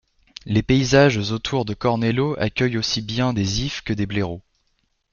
Les paysages autour de Cornello accueillent aussi bien des ifs que des blaireaux.